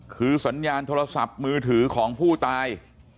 คือสัญญาณโทรศัพท์มือถือของผู้ตาย